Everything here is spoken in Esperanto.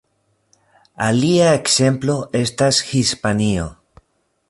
Alia ekzemplo estas Hispanio.